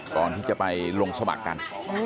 ก่อนที่จะไปลงสมัครกัน